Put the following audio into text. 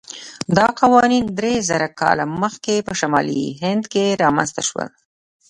دا قوانین درېزره کاله مخکې په شمالي هند کې رامنځته شول.